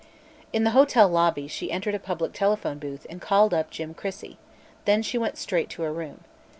In the hotel lobby she entered a public telephone booth and called up Jim Crissey; then she went straight to her room.